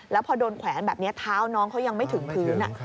แล้วพอโดนแขวนแบบนี้เท้าน้องเขายังไม่ถึงพื้น